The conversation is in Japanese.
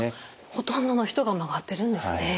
ほとんどの人が曲がってるんですね。